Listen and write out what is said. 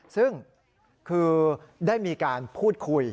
ซึ่งคือได้มีการพูดคุย